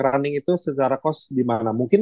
running itu secara cost gimana mungkin